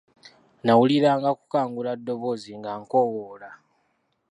Namuwuliranga kukangula ddoboozi ng'ankowoola.